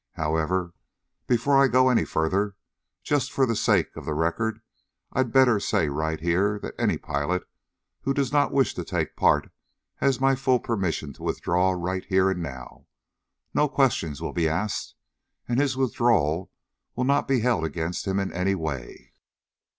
However, before I go any further, just for the sake of the record I'd better say right here that any pilot who does not wish to take part has my full permission to withdraw right here and now. No questions will be asked, and his withdrawal will not be held against him in any way."